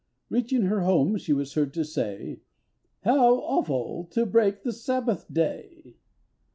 Reaching her home, she was heard to say "How awful to break the Sabbath day!"